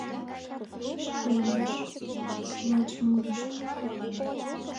Шарнымаш — лач мурышто.